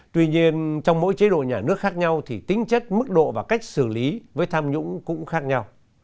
tuy nhiên trong mỗi chế độ nhà nước khác nhau thì tính chất mức độ và cách xử lý với tham nhũng cũng khác nhau